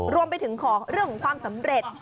รวมไปถึงขอเรื่องของความสำเร็จ